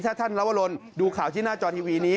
ถ้าท่านลวรนดูข่าวที่หน้าจอทีวีนี้